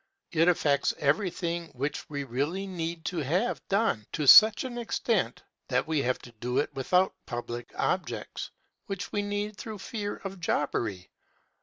It affects everything which we really need to have done to such an extent that we have to do without public objects which we need through fear of jobbery.